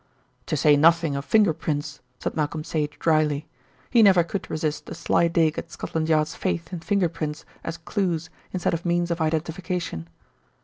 "To say nothing of finger prints," said Malcolm Sage dryly. He never could resist a sly dig at Scotland Yard's faith in finger prints as clues instead of means of identification.